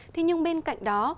thế nhưng bên cạnh đó